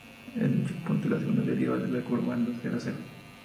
En dichos puntos, la segunda derivada de la curvatura será cero.